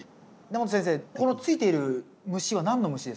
根本先生このついている虫は何の虫ですか？